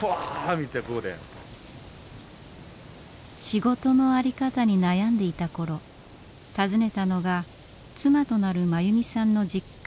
仕事の在り方に悩んでいた頃訪ねたのが妻となる真由美さんの実家